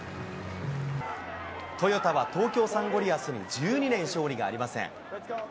トヨタは東京サンゴリアスに１２年勝利がありません。